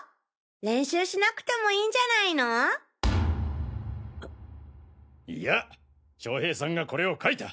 練習しなくてもいいんじゃないの？いや将平さんがこれを書いた。